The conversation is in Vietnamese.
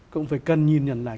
cũng phải cần nhìn nhận lại